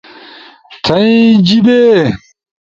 تھأئی جیِبے